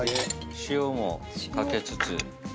塩も掛けつつ。